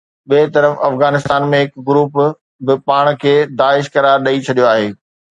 ٻئي طرف افغانستان ۾ هڪ گروپ به پاڻ کي داعش قرار ڏئي ڇڏيو آهي